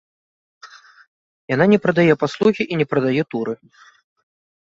Яна не прадае паслугі і не прадае туры.